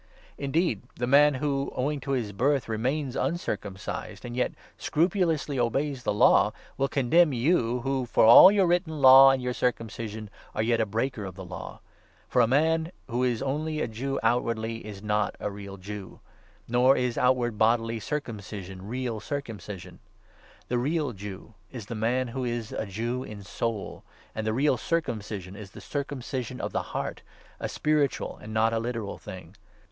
Indeed, 27 the man who, owing to his birth, remains uncircumcised, and yet scrupulously obeys the Law, will condemn you, who, for all your written Law and your circumcision, are yet a breaker of the Law. For a man who is only a Jew outwardly is not 28 a real Jew ; nor is outward bodily circumcision real circum cision. The real Jew is the man who is a Jew in soul ; and 29 the real circumcision is the circumcision of the heart, a spiritual and not a literal thing.